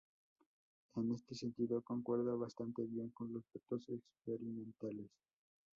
En este sentido concuerda bastante bien con los datos experimentales.